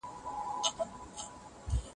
جهاني زر ځله یې نن سبا ته و زوکلېدم